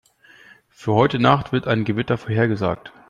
Für heute Nacht wird ein Gewitter vorhergesagt.